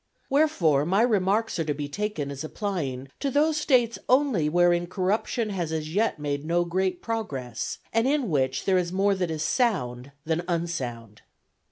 Wherefore my remarks are to be taken as applying to those States only wherein corruption has as yet made no great progress, and in which there is more that is sound than unsound.